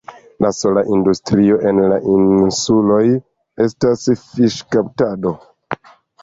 La sola industrio en la insuloj estas fiŝkaptado.